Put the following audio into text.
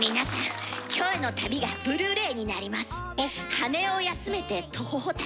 「羽を休めてトホホ旅